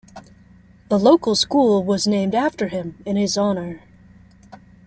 The local school was named after him in his honor.